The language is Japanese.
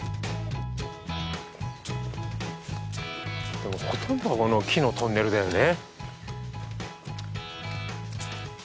でも、ほとんどがこの木のトンネルだよね。